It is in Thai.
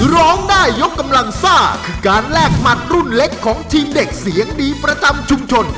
ร้องได้ยกกำลังซ่าคือการแลกหมัดรุ่นเล็กของทีมเด็กเสียงดีประจำชุมชน